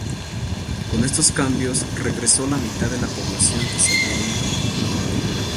Con estos cambios, regresó la mitad de la población que se había ido.